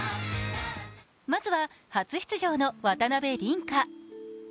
まずは初出場の渡辺倫果。